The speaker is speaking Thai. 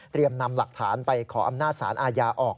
นำหลักฐานไปขออำนาจสารอาญาออก